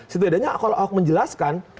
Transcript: setidaknya kalau ahok menjelaskan